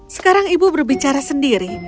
sekarang ibu berbicara sendiri